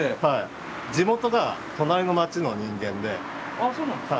あそうなんですか？